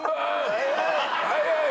「はいはい」